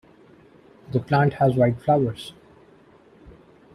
The plant has white flowers.